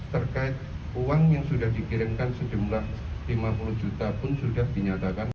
terkait uang yang sudah dikirimkan sejumlah lima puluh juta pun sudah dinyatakan